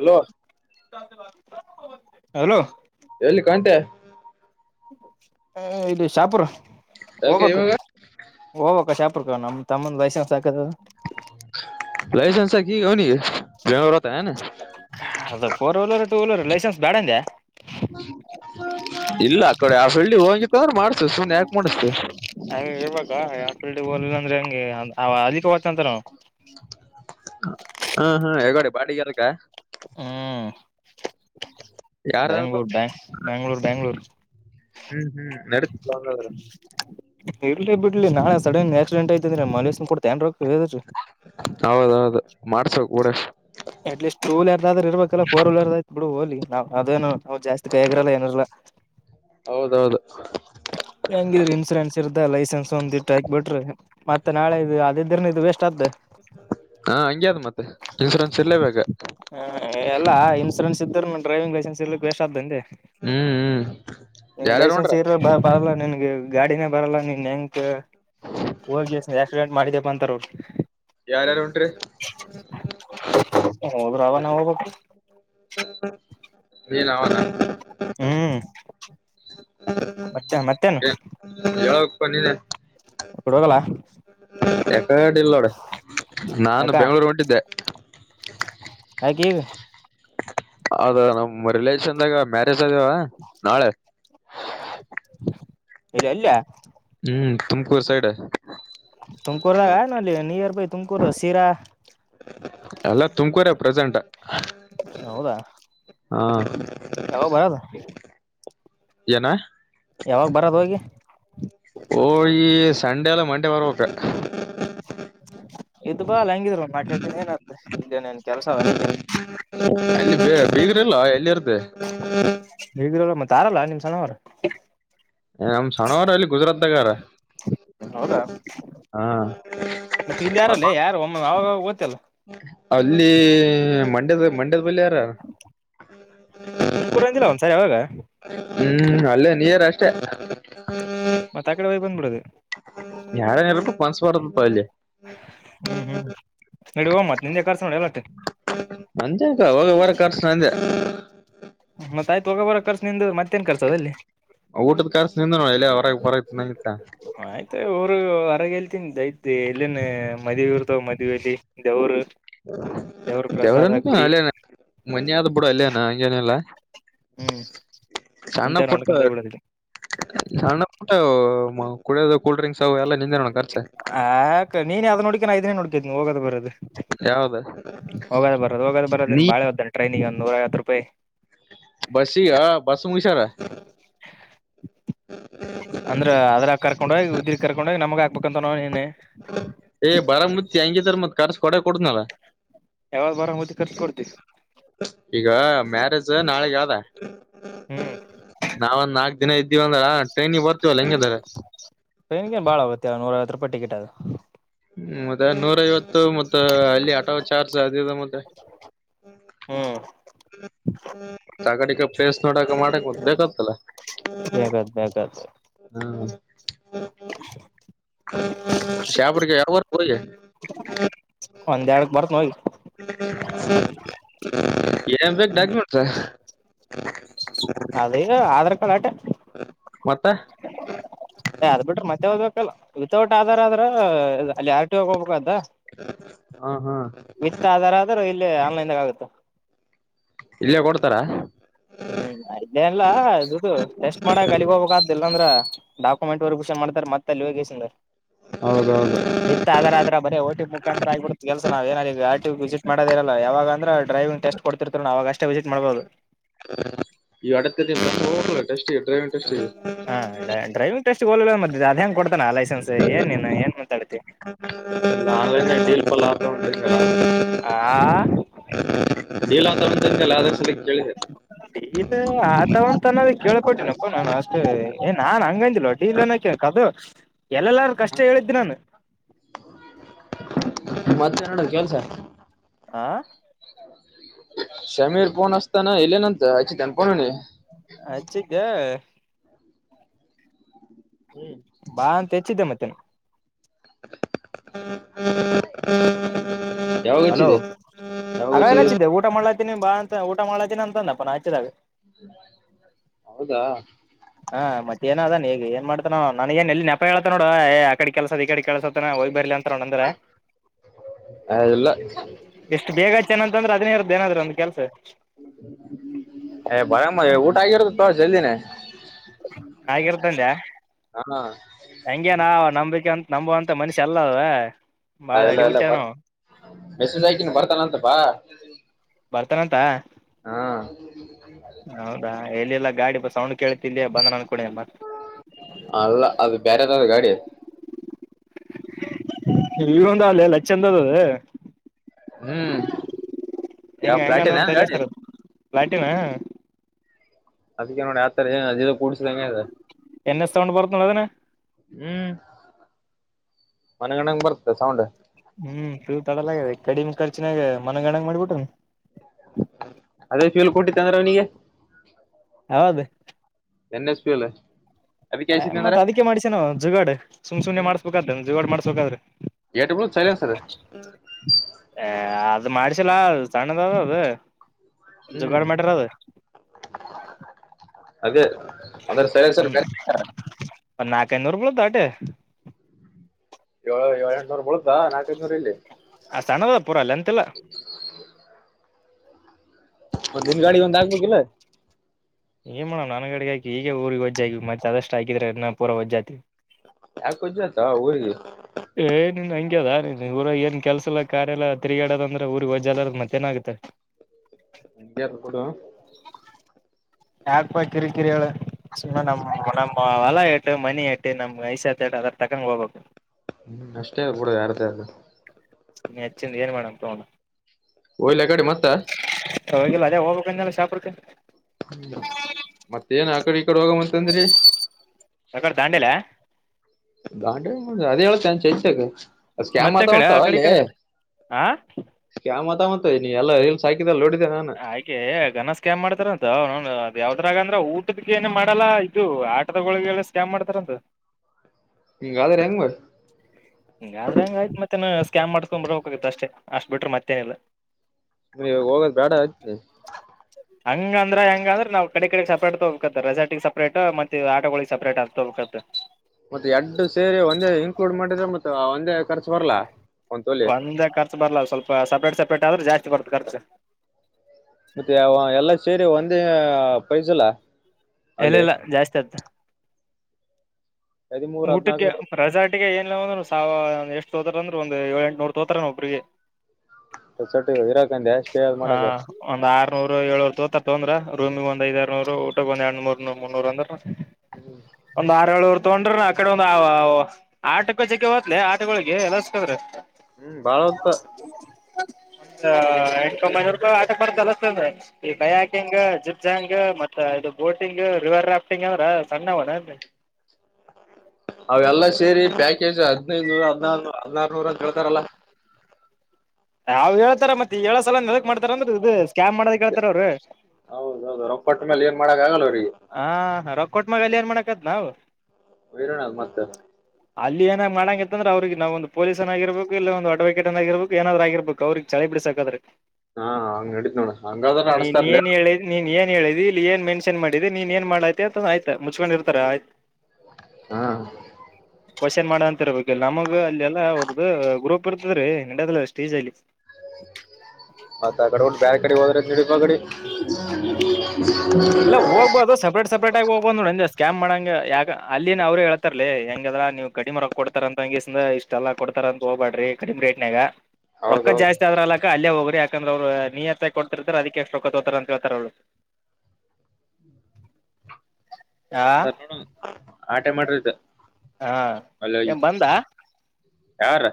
Hello hello. ಎಲ್ಲಿ ಕಾಂಟೆ. ಹ ಇಲ್ಲಿ ಶಾಪುರ್ ಯಾಕೆ ಹೋಗಬಕ್. ಇವಾಗ ಹೋಬಕ ಶಾಪುರ್ಕ ನಮ್ ತಮ್ಮಂದ ಲೈಸೆನ್ಸ್ ಹಾಕದ. ಲೈಸೆನ್ಸ್ ಹಾಕಿ [unintelligible] ಅದ four wheeler two wheeler licence ಬ್ಯಾಡ ಅಂದ್ಯ. ಇಲ್ಲ ಆ ಕಡೆ ಆ ಫೀಲ್ಡ್ ಹೋಗಕ್ಕಿತ್ತಂದ್ರ ಮಾಡ್ಸ್ ಸುಮನೆ ಯಾಕ ಮಾಡಿಸತಿ. ಎ ಇರಬೇಕ ಆ ಫೀಲ್ಡ್ಗೆ ಹೋಗ್ಲಿಲ್ಲ ಅಂದ್ರ ಹೆಂಗ್ ಅವಾ ಅದಿಕ್ಕ ಹೋತನ ಅಂತಾನ ಅವ ಹಾ ಹಾ ಏಕಡಿ ಬಾಡಿಗೇರಕ. ಹ್ಮ್ ಯಾರ ಬೆಂಗ್ಳೂರ್ ಬ ಬ್ಯಾಂಗ್ಳೂರ್ ಬೆಂಗ್ಳೂರ್. ಹ್ಮ್ ಹ್ಮ್ ನಡೀತದ ಹಂಗಾದ್ರ. ಇರ್ಲಿ ಬಿಡ್ಲಿ ನಾಳ ಸಡನ್ ಆಕ್ಸಿಡೆಂಟ್ ಐತಂದ್ರ ಮಾಲಿಶ್ ಮ್ಯಾನ್ ಕೊಡ್ತಿ ಏನ್ ರೋ ಹೌದೌದ ಮಾಡ್ಸಬೇಕ್ ಬಿಡ. ಅಟ್ಲೀಸ್ಟ ಟು ವೀಲರ್ ಆದರ್ ಇರಬೇಕಲ್ಲ ಫೋರ್ ವೀಲರ್ ಐತ್ ಹೋಗ್ಲಿ. ಅದೇನೋ ಅವ ಜಾಸ್ತಿ ಕೈಯಾಗಿರಲ್ಲ ಏನಿರಲ್ಲಾ. ಹೌದೌದ. ಹೆಂಗಿದ್ರ ಇನ್ಸೂರೆನ್ಸ್ ಇರ್ದ ಲೈಸೆನ್ಸ್ ಒಂದ್ ಇಟ್ಟ ಹಾಕ್ ಬಿಟ್ರ. ಮತ್ತ ನಾಳೆ ಇದು ಅದ ಇದ್ರನ ಇದ ವೇಸ್ಟ್ ಆತ್ತದ. ಹಾ ಹಂಗೆ ಅದ ಮತ್ತ ಇನ್ಸೂರೆನ್ಸ್ ಇರ್ಲೇಬೇಕ. ಇನ್ಶೂರೆನ್ಸ್ ಇದ್ರನ್ ಡ್ರೈವಿಂಗ್ ಲೈಸೆನ್ಸ್ ಇರ್ಲಿಕ್ ವೇಸ್ಟ್ ಆತದ ಅಂದೆ. ಹ್ಮ್ ಹ್ಮ್ ಯಾರ್ಯಾರು ಹೊಂಟ್ರ ಬಾ ಬಾರ್ಲ ನಿನಗೆ ಗಾಡಿನೇ ಬರಲ್ಲ ನೀನ್ ಹೆಂಕ್. ಹೋಗಿ ಗೆಸಿಂದ ಆಕ್ಸಿಡೆಂಟ್ ಮಾಡಿದಪ್ಪ ಅಂತಾರ ಅವರು. ಯಾರ್ಯಾರು ಹೊಂಟ್ರಿ ಹೋದ್ರ್ ಅವನ್ ಹೋಗ್ಬೇಕು. ನಿನ್ ಅವನ್ ಹ್ಮ್ ಬಟ್ಟ ಮತ್ [unintelligible] ಒಡೋಗಲ್ಲ ಯಕಡ್ ಇಲ್ಲ ನೋಡ ನಾನ ಯಾಕ ಬೆಂಗ್ಳೂರಗ್ ಹೊಂಟಿದ್ದ್ಯಾ. ಯಾಕ ಈಗ. ಅದ ನಮ ರಿಲೇಷನ್ದಾಗ ಮ್ಯಾರೇಜ್ ಆಗ್ಯಾವ ನಾಳಿ. ಇಲಿ ಎಲ್ಲ್ಯಾ. ಹ್ಮ್ ತುಮಕೂರ್ ಸೈಡ್. ತುಮಕೂರ್ದಾಗ ಏನ್ ಅಲ್ಲಿ ನಿಯರ್ ಬೈ ತುಮಕೂರದಾಗ ಶೀರಾ. ಎಲ್ಲ ತುಮಕೂರೆ ಪ್ರೆಸೆಂಟ್ ಹಾ. ಯಾವ್ಗ ಬರದ. ಏನ ಯಾವಾಗ ಬರೋದು ಹೋಗಿ ಹೋ ಇ ಸಂಡೇಲ್ಲ ಮಂಡೇ ಬರ ಓಕೆ. ಇದ್ದ ಬಾ ಅಲ ಹೆಂಗಿದ್ದರು ಒಂದ್ ನಾಲ್ಕೈ ದಿನ ಏನತ್ತದ ಇಲ್ಲೇನ್ ಏನ್ ಕೆಲ್ಸ ಇಗೇನ್. ಅಲ್ಲಿ ಬೀ ಬೀಗ್ರ ಇಲ್ಲೋ ಎಲ್ಲಿ ಇರ್ತಿ. ಬೀಗ್ರ ಅಲ್ಲ ಮತ್ತ ಆರಲ್ಲ ನಿಮ್ ಸನ್ಣ ಅವ್ರ್. ಏ ನಮ ಸಣವ್ರು ಅಲ್ಲಿ ಗುಜರಾತ್ದ ಆರಾ. ಹೌದಾ ಮತ್ತೆ ಇಲ್ಲಿ ಯಾರಲ್ಲೇ ಯಾರ್ ಒಮ್ಮಅವಾಗ ಅವ್ಗ ಹೋತ್ಯಲ್ಲ. ಅಲ್ಲಿ ಮಂಡ್ಯದ ಮಂಡ್ಯದ ಬಲ್ಲಿ ಆರಾ. ತುಮಕೂರಂದಿಲ್ಲ ಒಂದ್ಸಾರಿ ಯಾವಾಗ. ಹ್ಮ್ ಅಲ್ಲೇ ನೀಯರ್ ಅಷ್ಟೇ. [inaudible] ಮತ್ತ ಅ ಕಡೆ ಹೋಗಿ ಬಂದ್ಬಿಡದ. [unintelligible] ಅಲ್ಲಿ ಹ್ಮ್ ಹ್ಮ್ ನಡಿ ಹೋಂ ಮತ್ತ ನಿಂದೆ ಖರ್ಚು ನೋಡ ಎಲ್ಲಟು. ನಜೆಕ್ಕ ಹೋಗ ಹೋಗ ಬರದ ಖರ್ಚ್ ನಂದೆ. ಮತ್ತ ಆಯ್ತ ಹೋಗ ಬರ್ದ್ ಖರ್ಚ್ ನಿಂದ ಮತ್ತೇನ್ ಖರ್ಚ ಆದಲ್ಲಿ. ಊಟದ ಖರ್ಚ ನಿಂದೆ ನೋ ಇಲ್ಲೆ ಹೊರ್ಗ ಬರಗ ತಿನ್ನಗ ಇತ್ತ ಅಂದ್ರ. ಆಯ್ತ ಊರು ಹೊರಗೆ ಎಲ್ಲಿ ತಿಂತಿ ಆಯ್ತ್ ಇಲ್ಲಿನ್. ಮದಿವಿ ಇರ್ತವ ಮದಿವಿಲ್ಲಿ ದೇವರು ದೇವ್ರ ಪ್ರಸಾದ ಗುಡಿ. ಬುಡು ಅಲ್ಲಿನಾ ಹಂಗೇನಿಲ್ಲ ಹ್ಮ್ ಸಣ್ಣ ಇಂತ ಪುಟ್ಟ ನೋಡ್ಕೊಂಡ್ ಹೋಗ್ಬಿಡೋದಿಲ್ಲಿ ಸಣ್ಣ ಟ ಮ ಕುಡಿಯೋದ ಕೂಲ್ ಡ್ರಿಂಕ್ಸ ಅವ್ ಎಲ್ಲ ನಿಂದೇ ನೋಡ್ ಖರ್ಚ್. ಯಾಕ್ ನೀನೆ ಅದ ನೋಡ್ಕ್ಯ ನಾ ಇದಿನೇ ನೋಡ್ಕ್ಯತಿನಿ ಹೋಗದ ಬರೋದ. ಯಾವ್ದ ಹೋಗದ ಬರದ ಹೋಗದ ಬರೋದೇನ್ ನೀ ಬಾಳ್ ಹೊತ್ದ್ದೇನ್ ಟ್ರೈನಿಗಿ ಒಂದ್ ನೂರ ಐವತ್ತ ರೂಪಾಯಿ. ಬಸ್ಸಿಗೊ ಬಸ್ ಮುಗ್ಶ್ಯರ. ಅಂದ್ರ ಅದ್ರಗ್ ಕರ್ಕೊಂಡೋಗಿ ಉದ್ರಿ ಕರ್ಕೊಂಡೋಗಿ ನಮಗ್ ಹಾಕ್ಬೇಕಂತನೋ ನಿನ್ನೆ. ಏ ಬರಮುತ್ಯ ಹೇಗಿದ್ರೂನು ಮತ್ ಖರ್ಚ ಕೊಡೇ ಕೊಡ್ತ್ನಲ್ಲ. ಬರಮತಿ ಖರ್ಚ ಕೊಡ್ತಿ. ಈಗ ಮ್ಯಾರೇಜ್ ನಾಳಿಗಿ ಆದ ಹ್ಮ್ ನಾವನ್ ದಿನ ಇದೀವಿ ಅದ್ರ ಟ್ರೈನಿಂಗಿ ಹೋತಿವಲ್ಲ ಹೆಂಗಿದ್ರ. ಟ್ರೈನಗೇನ್ ಬಾಳವ್ ನೂರ್ ಐವತ್ತ್ ರೂಪಾಯಿ ಟಿಕೇಟ್ ಆದ. ಹ್ಮ ಮತ್ತೆ ನೂರೈವತ್ತು ಮತ್ತ ಅಲ್ಲಿ ಆಟೋ ಚಾರ್ಜ್ ಅದು ಇದು ಮತ್ತೆ. ಹ್ಮ್. ಅಕಡಿ ಇಕಡಿ ಪ್ರೇಸ್ ನೋಡಕ ಮಾಡಕ್ ಬೇಕತ್ತಲ್ಲ. [unintelligible] ಹ್ಮ. ಶಾಪುರ್ಗಿ ಯಾವಾಗ್ ಬರ್ತಿ ಊರಿಗಿ. ಒಂದೆರಡಕ್ ಬರ್ತನ್ ಹೋಗಿ. ಏನ್ ಏನ್ ಬೇಕ್ ಡಾಕ್ಯುಮೆಂಟ್ಸ. ಅದ ಆಧಾರ್ ಕಾರ್ಡ್ ಆಟೆ. ಮತ್ತ. ಏ ಅದ್ ಬಿಟ್ರೆ ಮತ್ತೆ ಯಾವಬೇಕಿಲ್ಲ ವಿತೌಟ್ ಆಧಾರ್ ಆದ್ರ ಅಲ್ಲಿ ಆರ್ ಟಿ ಯೋ ಹೋಗಬೇಕ ಆತ್ದ. ಹ ಹ. ವಿತ್ ಆಧಾರ್ ಆದ್ರ ಇಲ್ಲಿ ಆನ್ಲೈನ್ದಗ ಆಗತ್ತ. ಇಲ್ಲೇ ಕೊಡ್ತಾರಾ. ಹ್ಮ್ ಇದೇನಿಲ್ಲ ಇದುಕು ಟೆಸ್ಟ್ ಮಾಡಕ ಅಲಿಗ್ ಹೋಬೇಕ ಆತ ತ್ತಿಲ್ಲಂದ್ರ ಡಾಕುಮೆಂಟ್ ವರಬುಶನ್ ಮಾಡ್ತಾರ ಮತ್ತ ಅಲ್ಲ ಹೊಗೆಸಿಂದ. ಹೌದೌದು. ಇತ್ತ ಆದ್ರ ಅದ್ರ ಬರೆ ಓಟಿಪಿ ಮುಖಾಂತರ ಆಗ್ಬಿಡ್ತ ಕೆಲ್ಸನ್ ನಾವ ಏನ ಆರ್ಟಿ ವಿಸಿಟ್ ಮಾಡದೆ ಇರಲ್ಲ ಯಾವಾಗಂದ್ರ ಡ್ರೈವಿಂಗ್ ಟೆಸ್ಟ್. ಕೊಡ್ತಿರ್ತಾರ ನೋಡ ಅವಾಗಷ್ಟೇ ವಿಸಿಟ್ ಮಾಡ್ಬೋದು. ಈ ಅಡ್ [unintelligible] [unintelligible] ಟೆಸ್ಟಿಗ ಡ್ರೈವಿಂಗ ಟೆಸ್ಟಿಗ ಹಾ ಡೈ ಡ್ರೈವಿಂಗ್ ಟೆಸ್ಟಿಗ ಹೋಲಿಲ್ಲ ಮತ್ ಅದಹ್ಯಾಂಗ ಕೊಡ್ತಾನ ಲೈಸನ್ಸ್ ಏನ್ ನೀನ್ ಏನ್ ಮಾತಾಡ್ತಿ. ನಾಂಗ ಕಲಿಪಲ್ಲಾ [unintelligible] ಆ ನಿಲ್ಲ ಅಂತ [unintelligible] ಅದ್ರಸಲ್ಯಕ್ ಕೇಳಿದೆ. ಇಲ್ಲ ಆತವಂತ ಅನ್ನೋದ ಕೇಳ್ಕೊಟ್ಟಿನಕ್ಕು ನಾನು ಅಷ್ಟೆ ಏ ನಾನ್ ಹಂಗಂದಿಲ್ಲೋ. ಇಲ್ಲನಕೇನ್ ಕದು ಎಲ್ಲಲ್ಲಾರಕಷ್ಟ ಹೇಳಿದ್ದ ನಾನು. ಮತ್ತೆನ್ ನಡದ್ ಕೆಲ್ಸ. ಆ ಸಮೀರ ಫೋನ ಹಸ್ತನ್ ಎಲ್ಲಹನಂತ್ ಹಚ್ಚಿದೆನ್ ಫೋನ ಅವ್ನಿಗ್. ಅಚ್ಚಿದ್ಯ. ಹ್ಮ್ ಬಾ ಅಂತ ಹೆಚ್ಚಿದ್ದೆ ಮತ್ತೆ. ಹ್ಮ್ಮ ಹ್ಮ [unintelligible] ಹಲೋ ಯಾವಾಗಚ್ಚಿದೆ ಆಗಾಗ ಯಾವಾಗಚ್ಚಿದಿ. ಹಚ್ಚಿದ್ದೆ ಊಟ ಮಾಡ್ಲ ತಿನಿ ಬಾ ಅಂತ ಊಟ ಮಾಡ್ಲತಿನಂದಪ್ಪಾ ನಾ ಹಚ್ಚಿದಾಗ. ಹೌದಾ ಹಾ ಮತ್ತೇನ ಅದಾನ ಈಗ ಏನ್ ಮಾಡತಾನೊ ನನ್ಗೆನ್ ಎಲ್ಲಿ ನೆಪ ಹೇಳ್ತನೋಡ ಏ ಆಕಡಿ ಕೆಲ್ಸದ ಈಕಡಿ ಕೆಲ್ಸತ್ತನ ಹೋಗ್ ಬರ್ಲಿಂತ. ತರುಣಂದ್ರ್ಯಾ. ಏ ಇಲ್ಲ ಎಷ್ಟು ಬೇಗ ಹಚ್ಚ್ಯನನಂತಂದ್ರ ಅದನೆ ಇರ್ತ ಏನಾದ್ರು ಒಂದ ಕೆಲ್ಸ. ಏ ಬರಮ್ ಊಟ ಆಗಿರ್ತತೋ ಜಲ್ದಿನೇ. ಆಗಿರ್ತಂದ್ಯಾ. ಹಾ ಹೆಂಗೇನಾ ನಂಬಿಕೆ ನಂಬುವಂತ ಮನುಷ್ಯ ಅಲ್ಲದ ಬಾಳ ಹಡಿಬಿಟ್ಟೇನವ. ಮೆಸಜ್ ಹಾಕಿನಿ ಬರ್ತಾನಂತ ಬಾ. ಬರ್ತಾನಂತ ಹಾ ಹೌ. ಬಾ ಇಲ್ಲಿಲ್ಲಾ ಗಾಡಿ ಬ ಸೌಂಡ್ ಕೇಳ್ತಿಲ್ಲೆ ಬಂದ್ನ ಅನ್ಕೊಂಡೆ ಮತ್. ಅಲ್ಲ ಅದು ಬ್ಯಾರೆದಾದ ಗಾಡಿ. ಈಗೊಂದಾಲೆ ಲಚ್ಚಂದಾದದೂ. ಹ್ಮ್ ಯಾವ ಹೆಂಗ ಹೆಂಗ ಅದ್ ಪ್ಲಾಟಿನ ನೋಡು ಗಾಡಿ ಸೈಲೆನ್ಸರು [unintelligible] ಅದಕ್ಕೆ ನೋಡ ಯಾವತರ ಏ ಅದಿದ ಕೂಡ್ಸಿದಂಗಗ್ಯದ. ಎನ್ ಎಸ್ ಸೌಂಡ್ ಬರ್ತ್ ನೋಡ್ ಅದನ ಹ್ಮ್ ಮನಗಂಡಂಗ ಬರ್ತ್ತ ಸೌಂಡ್. ಹ್ಮ್ ತುತ್ ಅಡಲಾಗದ್ಯ ಕಡಿಮಿ ಖರ್ಚಿನಾಗ ಮನ್ಂಗಣಂಗ್ ಮಾಡ್ಬೀಟ್ಟಿರೆನ್. ಅದೇ ಫ್ಯೂಲ್ ಕೊಟ್ಟಿತ್ತಂದ್ರ ಅವ್ನಿಗಿ. ಯಾವದು. N S P L. ಆ ಮತ್ ಅದಕೆ ಮಾಡಸ್ಯನವ ಜುಗಾಡ್ ಸುಮ್ ಸುಮ್ಮನೆ ಹ್ಮ್ ಮಾಡ್ಸಬೇಕಾತದೇನ ಜುಗಾಡ್ ಮಾಡಸ್ಬೇಕಾದ್ರ. ಏಟ್ ಬೀಳುತ್ತೆ ಸೈಲೆನ್ಸರ್. ಏ ಅದ ಮಾಡ್ಸಿಲ್ಲ ಅದ ಸಣ್ಣದದ ಅದ. ಹ್ಮ್ ಅದೇ. ಅಂದ್ರೆ ಸೈಲೆನ್ಸರ್ ಒಂದ ನಾಲ್ಕೈದು ನೂರ ಬೀಳುತ್ತದ ಅಟೆ ಏಳ ಏಳ ಎಂಟನೂರ್ ಬೀಳತ್ದ ನಾಲ್ಕೈದುನೂರ ಎಲ್ಲಿ ಆ ಸಣ್ಣದವ ಪುರಾ ಲೆಂತ್ ಇಲ್ಲಾ ಮಂದ್ ನೀನ ಗಾಡಿಗಿ ಒಂದ್ ಹಾಕಬೇಕಿಲ್ಲ ಈಗ ಮಾಡಮ್ ನು ಗಾಡಿಗಿ ಹಾಕಿ ಈಗ ಊರಿಗೆ ವಜ್ ಆಗಿವಿ ಮತ್ತ ಅದಷ್ಟಹಾಕಿದ್ರ ನಾ ಪೂರಾ ವಜ್ಜಾತಿವ ಯಾಕೋಜ್ಂತ ಊರಿಗೆ ಏ ನಿನ್ ಹಂಗೆ ಅದ ನೀನ್ ಇವರ ಏನ್ ಕೆಲ್ಸ ಇಲ್ಲ ಕಾರ್ಯ ಎಲ್ಲ ತಿರುಗಾಡದಂದ್ರೆ ಊರಿಗೆಗ್ ವಜ್ಜಿ ಅದ ಮತ್ತೇನ್ ಆಗತ್ತ ಹಗೆಅದ ಬಿಡು ಯಾಕಪ್ಪ ಕಿರಿ ಕಿರಿ ಹೇಳ ಸುಮ್ಮನ ನಮ್ ನಮ್ಮ್ ಹೊಲ ಎಟ್ಟು ಮನಿ ಎಟ್ಟು ನಮ್ ಐಸತ್ಟ್ ಅದ್ರ ತಕಂಗ್ ಹೋಗ್ಬೇಕು ಹ್ಮ್ ಅಷ್ಟೇ ಬಿಡ ಯಾರದೇನ ಹೆಚ್ಚಿಂದ ಏನ್ ಮಾಡನ ತೋ ಹೋಯಿಲ ಎಕಡೆ ಮತ್ತ ಹೋಗಿಲ್ಲ ಅದೇ ಹೋಗ್ಬೇಕಂದಲ್ಲ ಶಹಾಪುರ ಕ್ ಮತ್ತೇ ಏನ್ ಆ ಕಡೆ ಈ ಕಡೆ ಹೋಗಂತಂದ್ರಿ ಎಕ್ಕಡಿ ದಾಂಡಿಲ್ಲಿಯಾ ಗಾಡಿ ಅದೇಳ ನ್ ಚೆಚಕ್ಕೆ ಶ್ಯಾಕಮ್ಮ್ ಮತ್ತೆ ಕಡೆ ಅದಾವಂತೋ ಆ ಕಡೆ ಈ ಅಲ್ಲೇ ಕಡೆ ಹ ಶ್ಕ್ಯಾಮ್ ಆತ ಒತ್ತೊ ಇಲ್ಲೇ ನೀ ಎಲ್ಲಾ ರೀಲ್ಸ ಹಾಕಿದಲ್ಲಿ ನೋಡಿದ ನಾನ ಹಾಗಯೆ ಗಣಾ ಸ್ಕ್ಯಾಮ್ ಮಾಡ್ತಾರಂತ ನ ಅ ಯಾವ್ದ್ರಾಗ ಅಂದ್ರ ಊಟದಕ್ಕೆ ಏನೇ ಮಾಡಲ್ಲಾ ಇದು ಆಟದೊಳಗೆ ಸ್ಕ್ಯಾಮ್ ಮಾಡ್ತಾರಂತ ಹಿಂಗಾದರ ಹೆಂಗ ಹಿಂಗಾದ್ರೆ ಹಂಗ ಆಯ್ತ್ ಮತ್ತೇ ಸ್ಕ್ಯಾಮ್ ಮಾಡ್ಕೊಂಡ್ ಬರಬೇಕತ್ತಷ್ಟೆ ಅಷ್ಟು ಬಿಡ್ರ ಮತ್ತೇನಿಲ್ಲಾ ನೀ ಹೋಗದ ಬೇಡಾ ಆಐತ ಹಂಗಂದ್ರ ಹೆಂಗಂದ್ರ ನಾವ ಕಡೆ ಕಡೆಗೆ ಸಪ್ರೇಟ್ ತೊಕತ ರೆಸಾರ್ಟಿಗೆ ಸಪೇಟ್ ಮತ್ತೆ ಆಟಗಳಿಗೆ ಸಪರೇಟ್ ಅ ತೋಗೋಬೇಕತ್ ಮತ್ತೆ ಎಂಟ ಸೇರಿ ಒಂದೇ ಇನ್ಕ್ಲೂಡ ಮಾಡಿದ್ರೆ ಮತ್ತ ಒಂದೇ ಖರ್ಚು ಬರ್ಲ್ಲಾ ಒಂದೇ ಖರ್ಚು ಬರ್ಲ್ಲ ಸ್ವಲ್ಪ ಸಪ್ರೇಟ್ ಸಪ್ರೇಟ್ ಆದ್ರೆ ಜಾಸ್ತಿ ಕೊಡ್ತ ಖರ್ಚ ಮತ್ತೆ ಅವಾ ಎಲ್ಲಾ ಸೇರಿ ಒಂದೇ ಪೈಸಲ್ಲಾ ಇಲ್ಲಿಲ್ಲಾ ಜಾಸ್ತಿ ಆತ ಹದಿಮೂರ್ ಹದ್ನಾಕ್ ಊಟಕ್ಕೆ ರೆಜಾಟಿಗೆ ಏನಿಲ್ಲ ಅಂದ್ರಾನು ಒಂದು ಸಾವಿರಾ ಎಷ್ಟು ತೋತಾರ ಅಂದ್ರೆ ಒಂದು ಏಳ ಎಂಟುನೂರು ತೋತಾರೇನ ಒಬ್ರಿಗೆ. ರೆಸಾರ್ಟಿಗೆ ಇರಾಕಂದೆ ಸ್ಟೇ ಹಾ ಮಾಡಕ ಒಂದ್ ಆರ್ನೂರ್ ಏಳ್ ನೂರ್ ತೋತಾರ ಅಂದ್ರ ರೂಮಿಗ್ ಒಂದ ಐದ್ರ್ನೂರು ಊಟಗ ಒಂದ್ರಡ್ನೂರ್ ಮುನೂರ್ ಅಂದ್ರು ಹ್ಮ ಒಂದ್ ಆರಏಳನೂರ್ ತಗೊಂಡ್ರ ಆ ಕಡೆ ಒಂದು ಆ ಆಟಕ್ಕ ಜಕ್ಕೆ ಹೋದ್ಲೆ ಆಟಗಳೊಳಗೆ ಎಲ್ಲದಕದ್ರ ಬಾಳ ಹೋತ ಅ ಎ ಇನಕಂಬನ ಆಟಕ ಲ್ಲಂದ್ರ [unintelligible] ಈ ಬಯಾಕಿಂಗ್ ಜುರ್ಜಾಂಗ್ ಮತ್ತ ಇದು ಬೋಟಿಂಗ್ ರಿವರ್ ರಾಫ್ಟಿಂಗ್ ಅಂದ್ರ ಸಣ್ಣ ಹಣರಿ ಅವೆಲ್ಲಾ ಸೇರಿ ಪ್ಯಾಕೇಜ್ ಹದಿನೈದು ನೂರ ಹದಿನಾರುನ ಹದ್ನಾರ ನೂರ ಅಂತೇಳ್ತಾರಲ್ಲಾ ಯಾವ್ ಹೇಳ್ತಾರ ಮತ್ತ ಹೇಳೊನೋ ಸಲ ಅ ಎದಕ್ ಮಾಡ್ತಾರ ಅಂದ್ರ ಇದು ಸ್ಕ್ಯಾಮ್ ಮಾಡದಕ್ ಹೇಳ್ತಾರ ಅವ್ರು ಹೌದೌದು ರೊಕ್ಕ ಕೊಟ್ಟ ಮೇಲೆ ಏನ್ ಮಾಡಕ್ಕ ಆಗಲ್ಲ ಅವರಿಗೆ ಹಾ ರೊಕ್ಕೊಟ್ ಮಾಗ ಅಲ್ಲಿ ಏನ್ ಮಾಡಕಾದ್ ನಾವು [unintelligible] ಮತ್ತ ಅಲ್ಲಿ ಏನ ಮಾಡಂಗತ್ತಂದ್ರೆ ಅವ್ರಿಗೆ ನಾವು ಒಂದು ಪೋಲೀಸನ್ ಆಗಿರ್ಬೇಕು ಇಲ್ಲ ಒಂದು ಅಡ್ವಕಟ್ನ್ ಆಗಿರ್ಬೇಕ ಏನಾದ್ ಆಗರ್ಬೇಕ ಅವ್ರಿಗೆ ಚಳಿ ಬಿಡ ಸಾಕಾದ್ರೆ ಹಾ ಹಂಗ್ ನೆಡಿತ್ ನೋಡ್ ಹಂಗಾದ್ರೆ ನೆಡುಸುತರ್ಲೆ. ಏನ್ ಹೇಳಿದ್ ನೀನ್ ಏನ್ ಹೇಳಿದಿ ಇಲ್ಲಿ ಏನ್ ಮೆನ್ಷನ್ ಮಾಡಿ ದಿ ನೀನ್ ನ್ ಮಾಡತ್ತಿ ಅ ಆಯ್ತಾ ಮುಚ್ಕೊಂಡ ಇರ್ತಾರ ಆಯತ್ ಹಾ ಕ್ವಶನ್ ಮಾಡಂತ ಇರ್ಬೇಕು ನಮಗು ಅಲ್ಲಿ ಎಲ್ಲಾ ಅವರದ್ದು ಗ್ರೂಪ್ ಇರ್ತದ್ ರಿ ನಡದ ಸ್ಟೇಜ್ ಅಲ್ಲಿ. ಮತ್ತ ಆ ಕಡೆ ಒಟ್ಟು ಬ್ಯರೆ ಕಡೆ ಹೋದ್ರ ಮಗಡಿ [unintelligible] ಇ ಅದು ಸಪ್ರೇಟ್ ಸಪ್ರೇಟ್ ಆಗ ಹೋಗಬೋ ನೋ ಸ್ಕಾಮ್ ಮಾಡಂಗೆ ಯಕ ಅಲ್ಲಿನ ಅವ್ರು ಹೇಳ್ತರ್ಲಿ ಹೆಂಗದ್ರ ನೀವು ಗಡಿ ಮರಕ್ ಕೊಡ್ - - ತ ಅಂತ ಅಂಗಸ ಇಷ್ಟೆಲ್ಲಾ ಕೊಡ್ತಾರ ಅಂತ ಹೋಗಬಾಡ್ರಿ ಕಡಿಮಿ ರೇಟ್ ನ್ಯಾಗ. ರೊಕ್ಕ ಹೌದೌದು ಜಾಸ್ತಿ ಆದ್ರ ಅಲಕ ಅಲ್ಲೆ ಹೋಗ್ರಿ ಯಾಕಂದ್ರ ಅವ್ರು ನೀಯತಾಗ್ ಕೊಡ್ತಿರ್ತಾರೆ ಅದಕ್ಕೆ ಅಷ್ಟ ರೊಕ್ಕ ತಗೋತಾರೆ ಅಂತ ಹೇಳ್ತರ್ ಅವ್ರು. ಹಾ ಒಂದಾರ ನೋಡ ಆಟೆ ಮಾಡ್ರತೆ ಹಾ ಅಲ್ಲಿ. ಏನ್ ಬಂದ ಯಾರ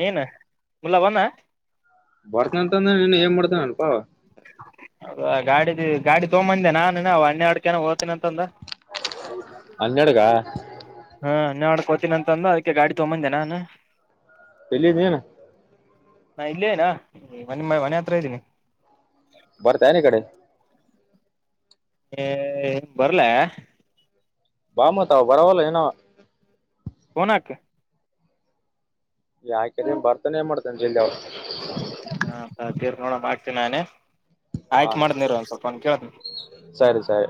ನೀನು ಮುಲ್ಲ ಬನ್ನ. ಬರ್ತನ ಅಂದ್ರೆ ನೀನು ಏ ಮಾಡ್ತವ ಅನ್ಪ. ಅದ ಗಾಡಿ ಗಾಡಿ ತಗೊಬಂದೆ ನಾನು ಅವ ಹನ್ನಎರಡು ಜನ ಹೋಗ್ತೀನ ಅಂತಂದ. ಹನ್ನಡುಗ. ಹಾ ಎಣ್ಣೆ ಹೊಡಿಯೋಕೆ ಹೋಗ್ತೀನಿ ಅಂತ ಅಂದ ಅದಕ್ಕೆ ಗಾಡಿ ತಗೊಂಬಂದೆ ನಾನು. ಎಲ್ಲಿದ್ನೀನು. ನಾ ಇಲ್ ಇದಿನ ಮನ್ ಮನೆ ಹತ್ರ ಇದ್ದೀನಿ. ಬರ್ತನ್ ಈ ಕಡೆ. ಏ ಬರ್ಲ. ಬಾಮತ ಅವ ಬರಲ್ ಏನವ. ಫೋನ್ ಹಾಕ್. ಯಾಕೆ ಬರ್ತಾನೇನ್ ಮಾಡ್ತಾನೆ ಜಿಲ್ದಿ ಅವ್ನು. ಹಾ ತೀರ್ ನೋಡ ಆಗ್ತೀನಿ ನಾನೇ ಆಯ್ಕ ಹ ಮಾಡ್ದನ ಇರ ಒಂದ್ ಸ್ವಲ್ಪ ಕೇಳ್ತೀನಿ. ಸರಿ ಸರಿ